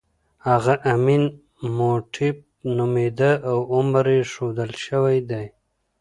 هغه امین هوټېپ نومېده او عمر یې ښودل شوی دی.